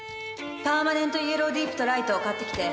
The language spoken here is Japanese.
パーマネントイエローディープとライト買ってきて。